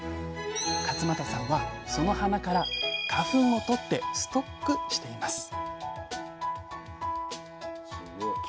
勝間田さんはその花から花粉を取ってストックしています